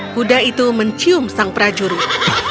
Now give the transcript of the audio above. kuda itu mencium sang prajurit